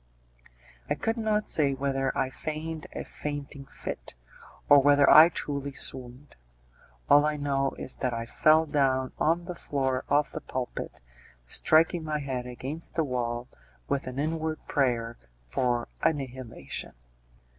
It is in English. I could not say whether I feigned a fainting fit, or whether I truly swooned; all I know is that I fell down on the floor of the pulpit, striking my head against the wall, with an inward prayer for annihilation.